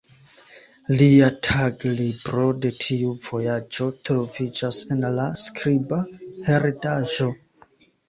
Lia taglibro de tiu vojaĝo troviĝas en la skriba heredaĵo.